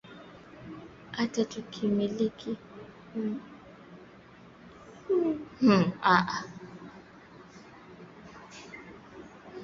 Ata kutumika kuma kampuni mbalimbali ndani ya inchi yetu